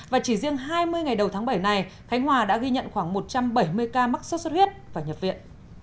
và chỉ riêng hai mươi ngày đầu tháng bảy này khánh hòa đã ghi nhận khoảng một trăm bảy mươi ca mắc sốt xuất huyết và nhập viện